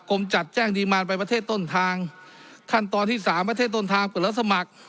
จัดแจ้งดีมารไปประเทศต้นทางขั้นตอนที่สามประเทศต้นทางเปิดรับสมัคร